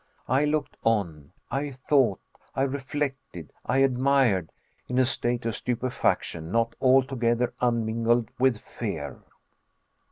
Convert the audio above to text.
I looked on, I thought, I reflected, I admired, in a state of stupefaction not altogether unmingled with fear!